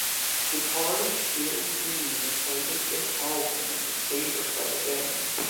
Guitarist Gary Green has cited this album as his favourite by the band.